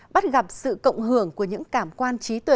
bắt gặp sự cộng hưởng của những cảm quan trí tuệ